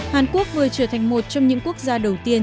hàn quốc vừa trở thành một trong những quốc gia đầu tiên